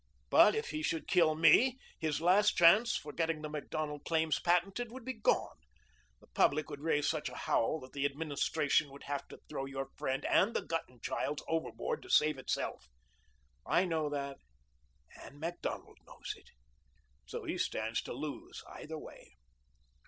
But if he should kill me, his last chance for getting the Macdonald claims patented would be gone. The public would raise such a howl that the Administration would have to throw your friend and the Guttenchilds overboard to save itself. I know that and Macdonald knows it. So he stands to lose either way."